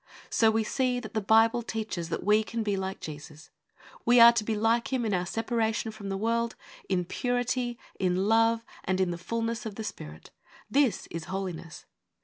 So we see that the Bible teaches that we can be like Jesus. We are to be like Him in our separation from the world, in purity, in love, and in the fullness of the Spirit. This is Holiness.